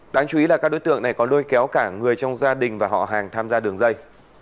đáng chú ý là các đối tượng này có lôi kéo cả người trong gia đình và họ hàng tham gia đường dây